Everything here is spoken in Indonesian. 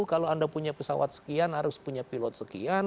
kalau anda punya pesawat sekian harus punya pilot sekian